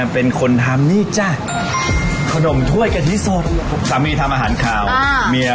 เพราะว่าขนมข้วยปรากฏิเราเจอเนี่ย